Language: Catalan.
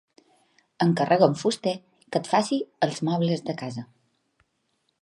Encarrega a un fuster que et faci els mobles de casa.